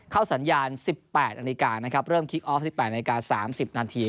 เข้าสัญญาณสิบแปดนาฬิกานะครับเริ่มคิกออฟสิบแปดนาฬิกาสามสิบนาที